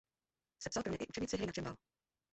Sepsal pro ně i učebnici hry na cembalo.